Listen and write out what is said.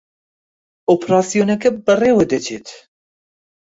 ئۆپراسیۆنەکە بەڕێوە دەچێت